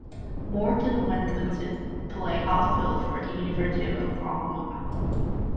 Morton went on to play outfield for the University of Oklahoma.